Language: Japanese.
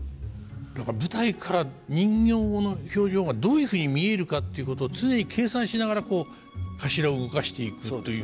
だから舞台から人形の表情がどういうふうに見えるかっていうことを常に計算しながらこう頭を動かしていくという。